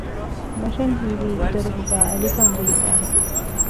މަށަށް ހީވީ އުދަރެހުގައި އަލިފާން ޖެހިފައި ހެން